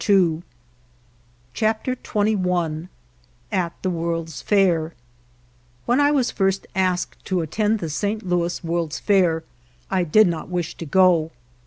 196 CHAPTER XXI AT THE WORLD'S FAIR WHEN I was at first asked to attend the St. Louis World's Fair I did not wish to go.